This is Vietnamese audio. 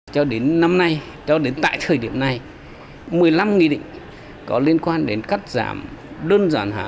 cho đến năm nay cho đến tại thời điểm này một mươi năm nghị định có liên quan đến cắt giảm đơn giản hạn